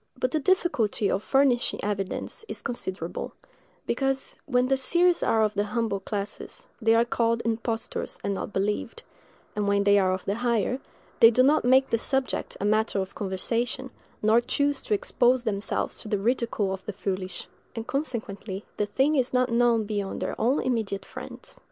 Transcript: But the difficulty of furnishing evidence is considerable: because, when the seers are of the humbler classes, they are called impostors and not believed; and when they are of the higher, they do not make the subject a matter of conversation, nor choose to expose themselves to the ridicule of the foolish; and consequently the thing is not known beyond their own immediate friends.